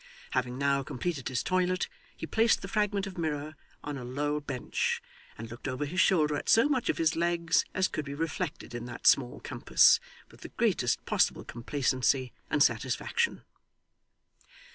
Having now completed his toilet, he placed the fragment of mirror on a low bench, and looked over his shoulder at so much of his legs as could be reflected in that small compass, with the greatest possible complacency and satisfaction.